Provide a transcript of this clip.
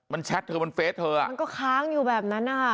มันแชทเธอบนเฟสเธออ่ะมันก็ค้างอยู่แบบนั้นนะคะ